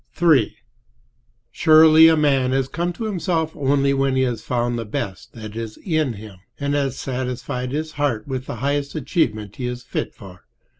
III Surely a man has come to himself only when he has found the best that is in him, and has satisfied his heart with the highest achievement he is fit for.